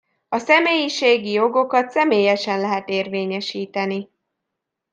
A személyiségi jogokat személyesen lehet érvényesíteni.